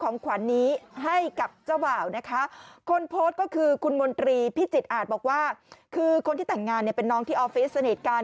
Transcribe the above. นี่เขาใช้บอกว่าต่างงานเนี่ยเป็นน้องที่ออฟฟิศเสนอเหตุการณ์